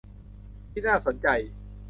ที่น่าสนใจ